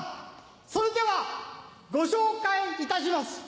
それではご紹介いたします。